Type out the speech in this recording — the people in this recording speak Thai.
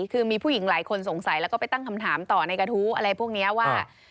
คือมีผู้หญิงหลายคนสงสัยแล้วก็ไปตั้งคำถามต่อในกระทู้อะไรพวกนี้ว่า